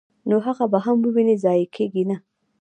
نو هغه به هم وويني، ضائع کيږي نه!!.